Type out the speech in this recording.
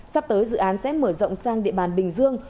sắp tới dự án sẽ mở rộng sang địa bàn bình dương